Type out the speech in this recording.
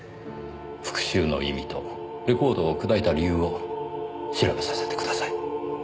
復讐の意味とレコードを砕いた理由を調べさせてください。